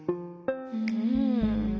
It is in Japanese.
うん。